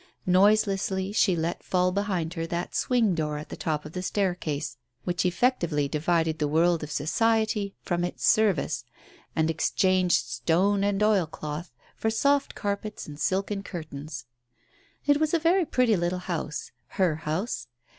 Noiselessly, she let fall behind her that swing door at the top of the staircase which effectively divided the world of society from its service, and exchanged stone and oil cloth for soft carpets and silken curtains. It was a very pretty little house — her house.